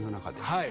はい。